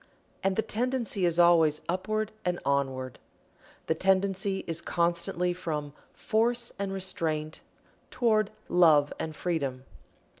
And the tendency is always upward and onward. The tendency is constantly from Force and Restraint toward Love and Freedom.